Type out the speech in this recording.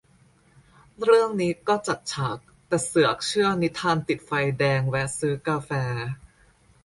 เรื่องนี้ก็จัดฉาก แต่เสือกเชื่อนิทานติดไฟแดงแวะซื้อกาแฟ